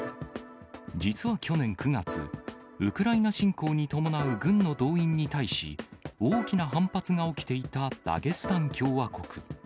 実は去年９月、ウクライナ侵攻に伴う軍の動員に対し、大きな反発が起きていたダゲスタン共和国。